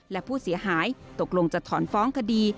และผู้เสียหายตกลงจะถอนฟ้องคดี